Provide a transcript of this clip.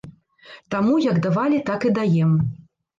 Таму, як давалі, так і даем.